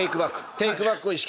テークバックを意識。